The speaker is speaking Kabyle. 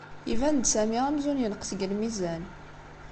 Iban-d Sami amzun yenqes deg lmizan.